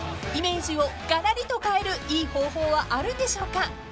［イメージをがらりと変えるいい方法はあるんでしょうか？］